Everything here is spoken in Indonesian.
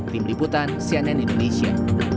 tim liputan cnn indonesia